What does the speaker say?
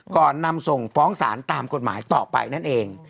ก่อนนำส่งฟ้องศาลตามกฎหมายต่อไปนั่นเอง